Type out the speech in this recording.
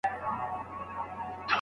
د جنت وږی دي نه یم ملاجان ته حوري ورکه